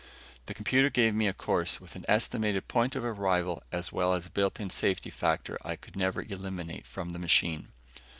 The computer gave me a course with an estimated point of arrival as well as a built in safety factor I never could eliminate from the machine.